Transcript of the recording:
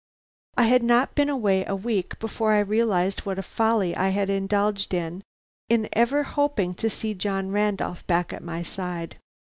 I had not been away a week before I realized what a folly I had indulged in in ever hoping to see John Randolph back at my side.